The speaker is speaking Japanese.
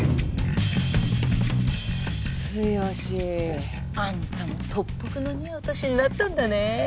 剛あんたも特服の似合う年になったんだね。